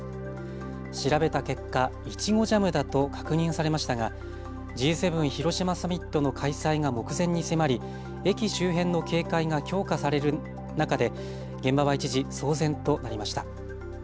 調べた結果、イチゴジャムだと確認されましたがＧ７広島サミットの開催が目前に迫り、駅周辺の警戒が強化される中で現場は一時騒然となりました。